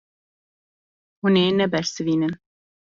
Hûn ê nebersivînin.